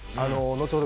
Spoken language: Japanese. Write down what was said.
後ほど